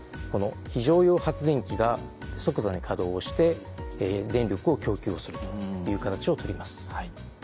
この非常用発電機が即座に稼働をして電力を供給するという形を取ります。